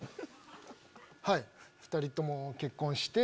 はい２人とも結婚して。